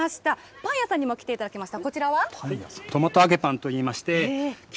パン屋さんにも来ていただきました。